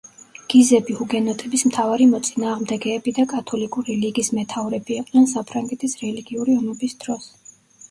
გიზები ჰუგენოტების მთავარი მოწინააღმდეგეები და კათოლიკური ლიგის მეთაურები იყვნენ საფრანგეთის რელიგიური ომების დროს.